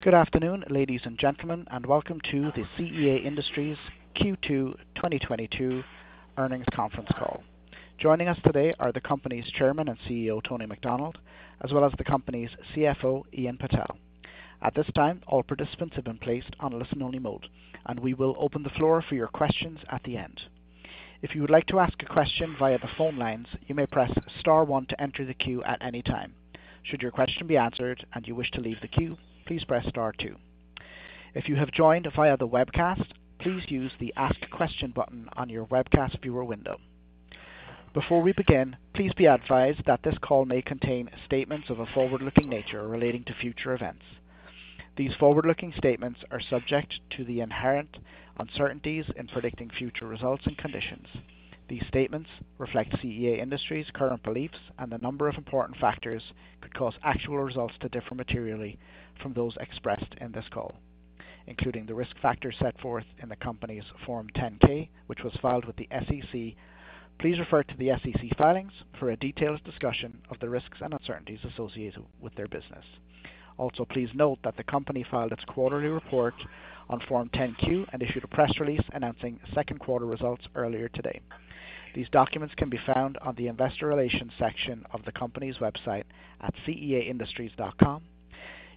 Good afternoon, ladies and gentlemen, and welcome to the CEA Industries Q2 2022 earnings conference call. Joining us today are the company's Chairman and Chief Executive Officer, Tony McDonald, as well as the company's Chief Financial Officer, Ian Patel. At this time, all participants have been placed on listen-only mode, and we will open the floor for your questions at the end. If you would like to ask a question via the phone lines you may press star one to enter the queue at any time. Should your question be answered and you wish to leave the queue, please press star two. If you have joined via the webcast, please use the ask question button on your webcast viewer window. Before we begin, please be advised that this call may contain statements of a forward-looking nature relating to future events. These forward-looking statements are subject to the inherent uncertainties in predicting future results and conditions. These statements reflect CEA Industries' current beliefs, and a number of important factors could cause actual results to differ materially from those expressed in this call, including the risk factors set forth in the company's Form 10-K, which was filed with the SEC. Please refer to the SEC filings for a detailed discussion of the risks and uncertainties associated with their business. Also please note that the company filed its quarterly report on Form 10-Q and issued a press release announcing second quarter results earlier today. These documents can be found on the investor relations section of the company's website at ceaindustries.com.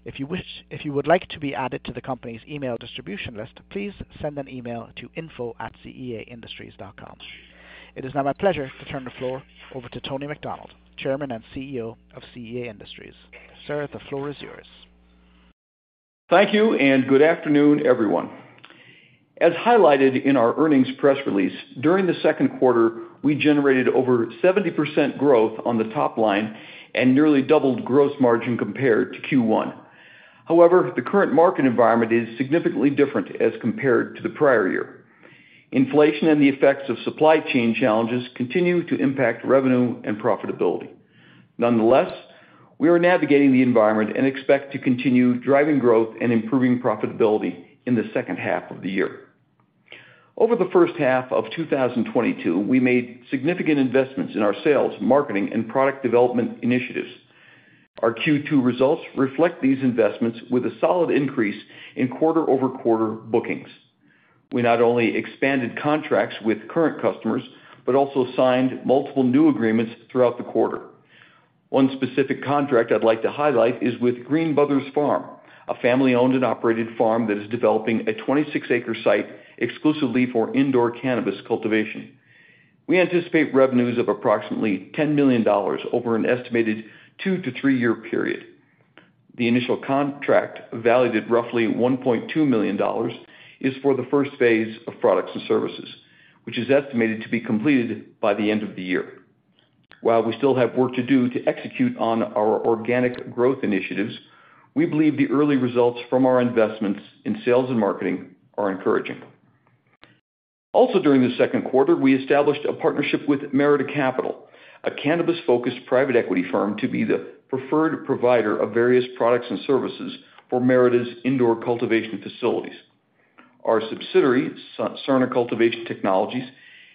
If you would like to be added to the company's email distribution list, please send an email to info at ceaindustries.com. It is now my pleasure to turn the floor over to Tony McDonald, Chairman and Chief Executive Officer of CEA Industries. Sir, the floor is yours. Thank you and good afternoon, everyone. As highlighted in our earnings press release, during the second quarter, we generated over 70% growth on the top line and nearly doubled gross margin compared to Q1. However, the current market environment is significantly different as compared to the prior year. Inflation and the effects of supply chain challenges continue to impact revenue and profitability. Nonetheless, we are navigating the environment and expect to continue driving growth and improving profitability in the second half of the year. Over the first half of 2022, we made significant investments in our sales, marketing, and product development initiatives. Our Q2 results reflect these investments with a solid increase in quarter-over-quarter bookings. We not only expanded contracts with current customers but also signed multiple new agreements throughout the quarter. One specific contract I'd like to highlight is with Greene Brothers Farm, a family-owned and operated farm that is developing a 26-acre site exclusively for indoor cannabis cultivation. We anticipate revenues of approximately $10 million over an estimated two to three year period. The initial contract, valued at roughly $1.2 million, is for the first phase of products and services, which is estimated to be completed by the end of the year. While we still have work to do to execute on our organic growth initiatives, we believe the early results from our investments in sales and marketing are encouraging. Also, during the second quarter, we established a partnership with Merida Capital, a cannabis-focused private equity firm, to be the preferred provider of various products and services for Merida's indoor cultivation facilities. Our subsidiary, Surna Cultivation Technologies,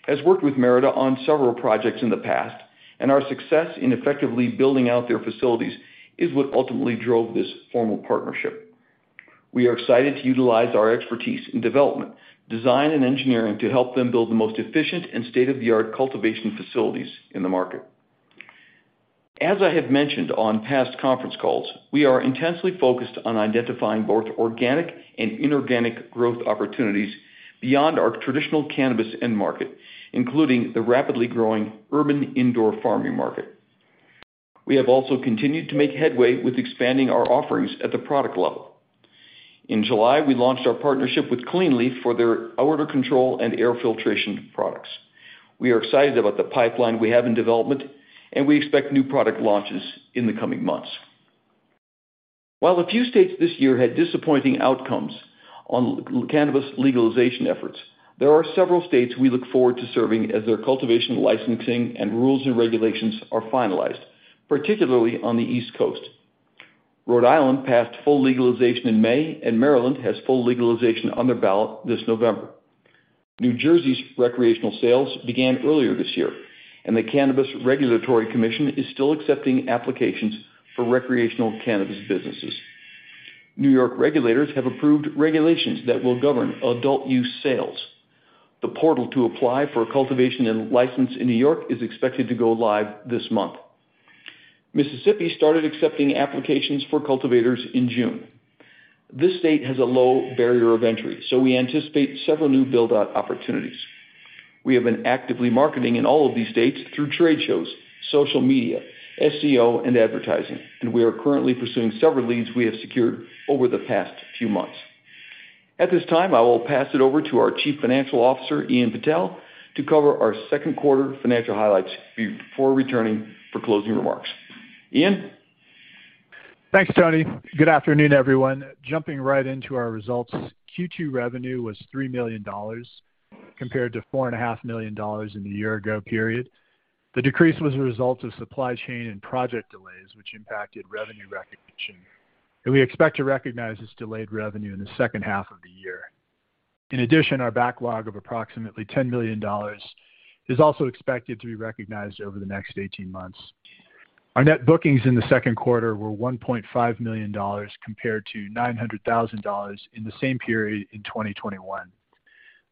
has worked with Merida on several projects in the past, and our success in effectively building out their facilities is what ultimately drove this formal partnership. We are excited to utilize our expertise in development, design, and engineering to help them build the most efficient and state-of-the-art cultivation facilities in the market. As I have mentioned on past conference calls, we are intensely focused on identifying both organic and inorganic growth opportunities beyond our traditional cannabis end market, including the rapidly growing urban indoor farming market. We have also continued to make headway with expanding our offerings at the product level. In July, we launched our partnership with CleanLeaf for their odor control and air filtration products. We are excited about the pipeline we have in development, and we expect new product launches in the coming months. While a few states this year had disappointing outcomes on cannabis legalization efforts, there are several states we look forward to serving as their cultivation, licensing, and rules and regulations are finalized, particularly on the East Coast. Rhode Island passed full legalization in May, and Maryland has full legalization on their ballot this November. New Jersey's recreational sales began earlier this year, and the New Jersey Cannabis Regulatory Commission is still accepting applications for recreational cannabis businesses. New York regulators have approved regulations that will govern adult use sales. The portal to apply for a cultivation license in New York is expected to go live this month. Mississippi started accepting applications for cultivators in June. This state has a low barrier of entry so we anticipate several new build out opportunities. We have been actively marketing in all of these states through trade shows, social media, SEO, and advertising, and we are currently pursuing several leads we have secured over the past few months. At this time, I will pass it over to our Chief Financial Officer, Ian Patel, to cover our second quarter financial highlights before returning for closing remarks. Ian? Thanks Tony Good afternoon, everyone. Jumping right into our results. Q2 revenue was $3 million compared to $4.5 million in the year ago period. The decrease was a result of supply chain and project delays which impacted revenue recognition, and we expect to recognize this delayed revenue in the second half of the year. Our backlog of approximately $10 million is also expected to be recognized over the next 18 months. Our net bookings in the second quarter were $1.5 million compared to $900,000 in the same period in 2021.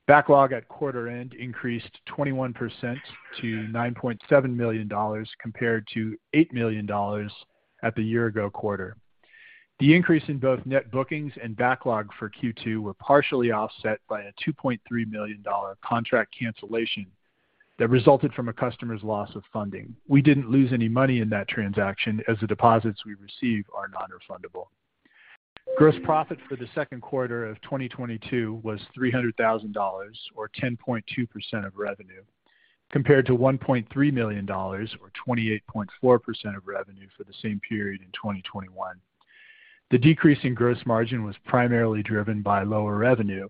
Backlog at quarter end increased 21% to $9.7 million compared to $8 million at the year ago quarter. The increase in both net bookings and backlog for Q2 were partially offset by a $2.3 million contract cancellation that resulted from a customer's loss of funding. We didn't lose any money in that transaction, as the deposits we receive are non-refundable. Gross profit for the second quarter of 2022 was $300,000 or 10.2% of revenue, compared to $1.3 million or 28.4% of revenue for the same period in 2021. The decrease in gross margin was primarily driven by lower revenue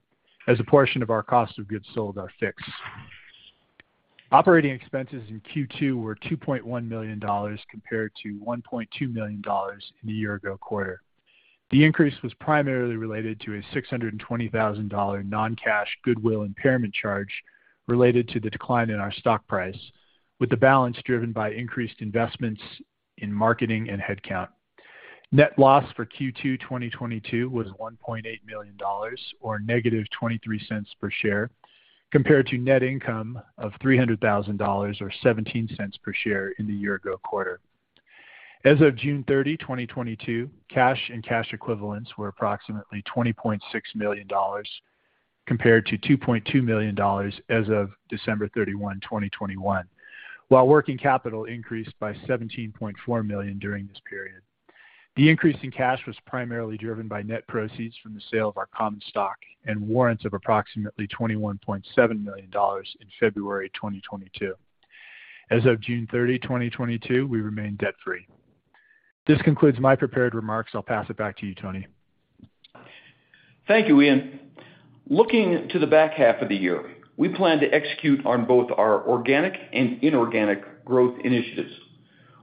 as a portion of our cost of goods sold are fixed. Operating expenses in Q2 were $2.1 million compared to $1.2 million in the year ago quarter. The increase was primarily related to a $620,000 non-cash goodwill impairment charge related to the decline in our stock price, with the balance driven by increased investments in marketing and headcount. Net loss for Q2 2022 was $1.8 million or -$0.23 per share, compared to net income of $300,000 or $0.17 per share in the year ago quarter. As of June 30, 2022, cash and cash equivalents were approximately $20.6 million compared to $2.2 million as of December 31, 2021. While working capital increased by $17.4 million during this period, the increase in cash was primarily driven by net proceeds from the sale of our common stock and warrants of approximately $21.7 million in February 2022. As of June 30, 2022, we remain debt free. This concludes my prepared remarks. I'll pass it back to you, Tony. Thank you, Ian. Looking to the back half of the year, we plan to execute on both our organic and inorganic growth initiatives.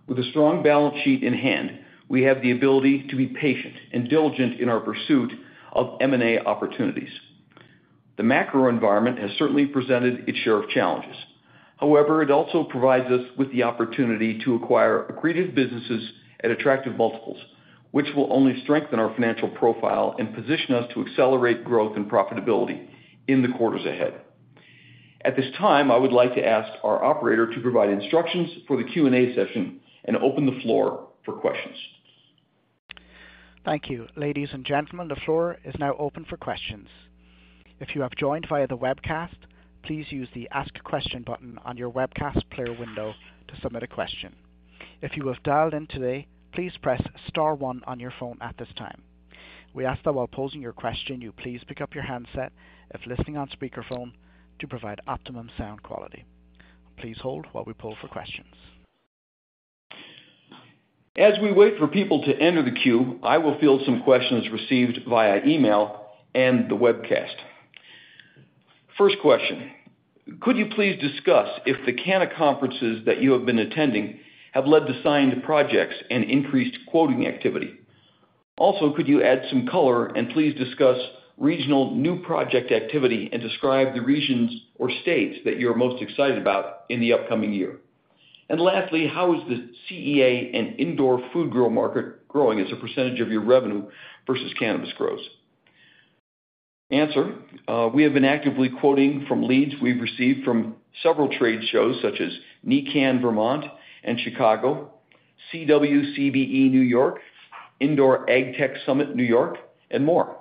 With a strong balance sheet in hand, we have the ability to be patient and diligent in our pursuit of M&A opportunities. The macro environment has certainly presented its share of challenges. However, it also provides us with the opportunity to acquire accretive businesses at attractive multiples, which will only strengthen our financial profile and position us to accelerate growth and profitability in the quarters ahead. At this time, I would like to ask our operator to provide instructions for the Q&A session and open the floor for questions. Thank you. Ladies and gentlemen, the floor is now open for questions. If you have joined via the webcast, please use the Ask a Question button on your webcast player window to submit a question. If you have dialed in today, please press star one on your phone at this time. We ask that while posing your question, you please pick up your handset if listening on speakerphone to provide optimum sound quality. Please hold while we poll for questions. As we wait for people to enter the queue, I will field some questions received via email and the webcast. First question, could you please discuss if the Canna conferences that you have been attending have led to signed projects and increased quoting activity? Also, could you add some color and please discuss regional new project activity and describe the regions or states that you're most excited about in the upcoming year? And lastly, how is the CEA and indoor food grow market growing as a percentage of your revenue versus cannabis grows? Answer: We have been actively quoting from leads we've received from several trade shows such as NECANN Vermont and Chicago, CWCBE New York, Indoor AgTech Innovation Summit, New York, and more.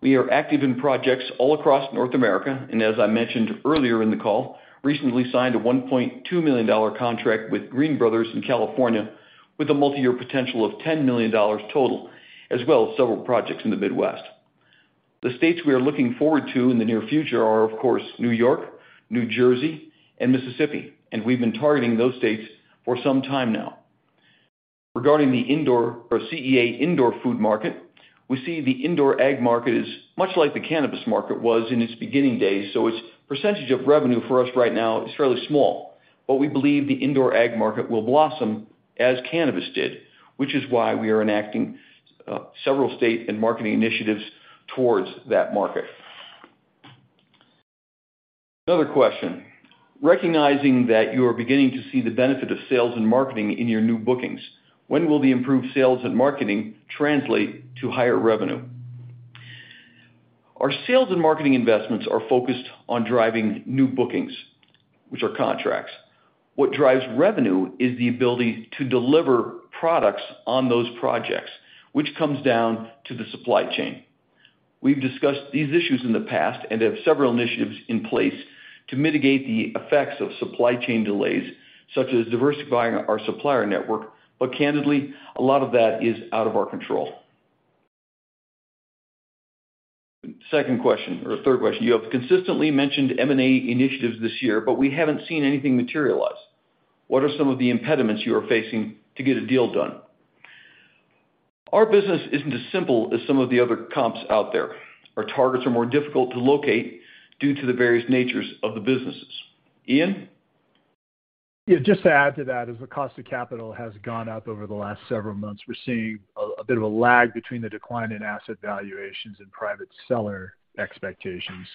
We are active in projects all across North America and as I mentioned earlier in the call, recently signed a $1.2 million contract with Greene Brothers in California with a multi-year potential of $10 million total as well as several projects in the Midwest. The states we are looking forward to in the near future are of course New York, New Jersey and Mississippi. We've been targeting those states for some time now. Regarding the indoor or CEA indoor food market, we see the indoor ag market is much like the cannabis market was in its beginning days, so its percentage of revenue for us right now is fairly small. We believe the indoor ag market will blossom as cannabis did, which is why we are enacting several state and marketing initiatives towards that market. Another question recognizing that you are beginning to see the benefit of sales and marketing in your new bookings, when will the improved sales and marketing translate to higher revenue? Our sales and marketing investments are focused on driving new bookings, which are contracts. What drives revenue is the ability to deliver products on those projects, which comes down to the supply chain. We've discussed these issues in the past and have several initiatives in place to mitigate the effects of supply chain delays such as diversifying our supplier network. Candidly, a lot of that is out of our control. Second question or third question. You have consistently mentioned M&A initiatives this year, but we haven't seen anything materialize. What are some of the impediments you are facing to get a deal done? Our business isn't as simple as some of the other comps out there. Our targets are more difficult to locate due to the various natures of the businesses. Ian? Yeah, just to add to that, as the cost of capital has gone up over the last several months, we're seeing a bit of a lag between the decline in asset valuations and private seller expectations.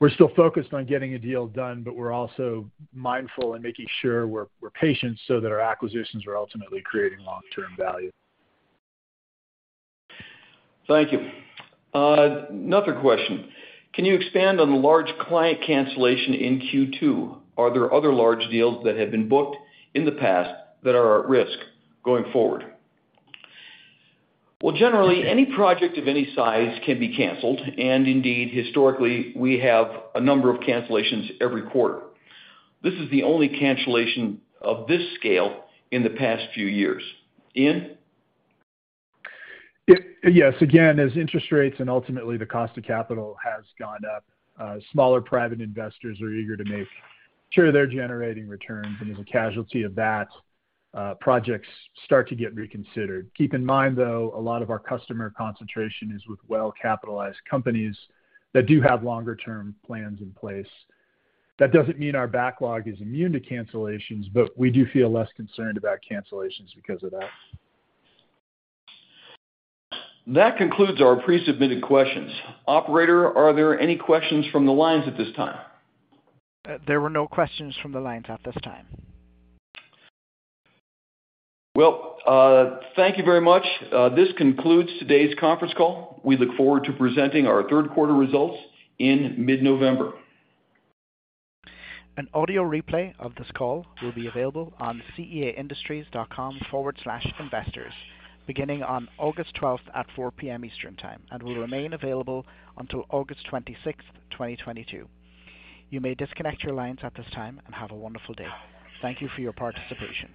We're still focused on getting a deal done, but we're also mindful and making sure we're patient so that our acquisitions are ultimately creating long-term value. Thank you. Another question. Can you expand on the large client cancellation in Q2? Are there other large deals that have been booked in the past that are at risk going forward? Well, generally, any project of any size can be canceled, and indeed, historically, we have a number of cancellations every quarter. This is the only cancellation of this scale in the past few years. Ian? Yes. Again, as interest rates and ultimately the cost of capital has gone up, smaller private investors are eager to make sure they're generating returns, and as a casualty of that, projects start to get reconsidered. Keep in mind though a lot of our customer concentration is with well-capitalized companies that do have longer term plans in place. That doesn't mean our backlog is immune to cancellations, but we do feel less concerned about cancellations because of that. That concludes our pre-submitted questions. Operator, are there any questions from the lines at this time? There were no questions from the lines at this time. Well, thank you very much. This concludes today's conference call. We look forward to presenting our third quarter results in mid-November. An audio replay of this call will be available on ceaindustries.com/investors beginning on August twelfth at 4:00 P.M. Eastern Time, and will remain available until August 26, 2022. You may disconnect your lines at this time, and have a wonderful day. Thank you for your participation.